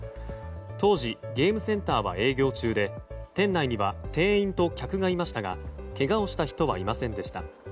当時、ゲームセンターは営業中で店内には店員と客がいましたがけがをした人はいませんでした。